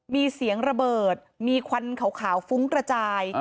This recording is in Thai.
มีเสียงระเบิดมีควันขาวฟุ้งกระจาย